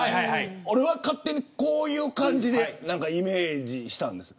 俺は勝手に、こういう感じでイメージしたんです。